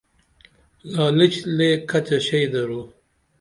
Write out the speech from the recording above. لالچ لے کھچہ شئی درو